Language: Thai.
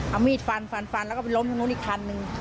เอามีดฟันฟันฟันแล้วก็ไปล้มทางนู้นอีกคันนึง